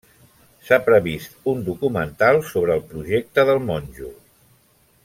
S'ha previst un documental sobre el projecte del monjo.